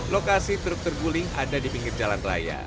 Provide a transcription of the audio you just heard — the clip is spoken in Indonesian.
lokasi truk terguling ada di pinggir jalan raya